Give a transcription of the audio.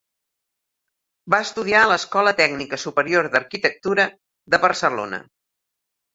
Va estudiar a l'Escola Tècnica Superior d'Arquitectura de Barcelona.